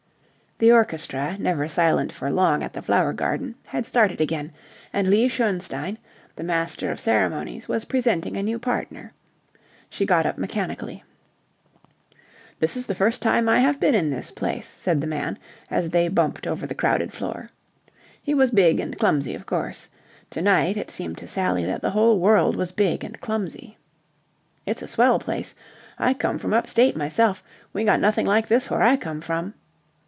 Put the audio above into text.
The orchestra, never silent for long at the Flower Garden, had started again, and Lee Schoenstein, the master of ceremonies, was presenting a new partner. She got up mechanically. "This is the first time I have been in this place," said the man, as they bumped over the crowded floor. He was big and clumsy, of course. To night it seemed to Sally that the whole world was big and clumsy. "It's a swell place. I come from up state myself. We got nothing like this where I come from."